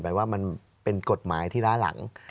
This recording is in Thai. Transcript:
ว่ามันเป็นกฎหมายที่ล้าหลัง